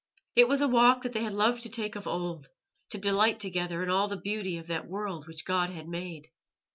It was a walk that they had loved to take of old, to delight together in all the beauty of that world which God had made.